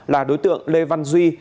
là đối tượng lê văn duy